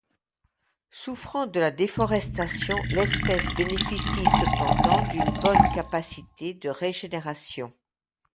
Souffrant de la déforestation, l'espèce bénéficie cependant d'une bonne capacité de régénération.